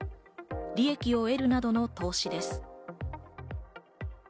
利益を得るなどの投資です。